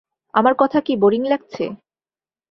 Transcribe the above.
আমার কথা কি বোরিং লাগছে?